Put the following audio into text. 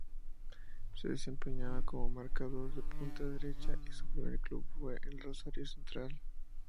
Se desempeñaba como marcador de punta derecha y su primer club fue Rosario Central.